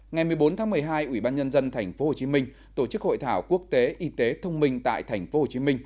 ngày một mươi bốn tháng một mươi hai ủy ban nhân dân tp hcm tổ chức hội thảo quốc tế y tế thông minh tại tp hcm